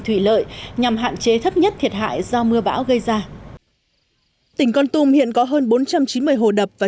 thủy lợi nhằm hạn chế thấp nhất thiệt hại do mưa bão gây ra tỉnh con tum hiện có hơn bốn trăm chín mươi hồ đập và